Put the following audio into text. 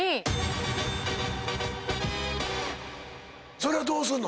それはどうすんの？